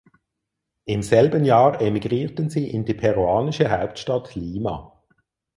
Im selben Jahr emigrierten sie in die peruanische Hauptstadt Lima.